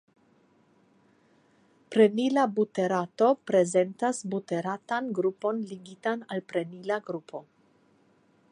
Prenila buterato prezentas buteratan grupon ligitan al prenila grupo.